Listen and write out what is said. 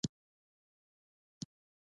عسکرو زغرې او اوسپنیزې خولۍ اغوستي دي.